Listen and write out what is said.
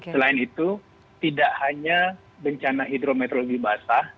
selain itu tidak hanya bencana hidrometeorologi basah